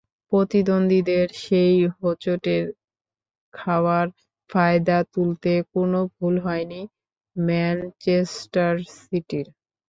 প্রতিদ্বন্দ্বীদের সেই হোঁচটের খাওয়ার ফায়দা তুলতে কোনো ভুল হয়নি ম্যানচেস্টার সিটির।